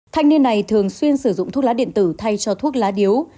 thanh niên này thường xuyên sử dụng thuốc lá điện tử thay cho thuốc lá điếu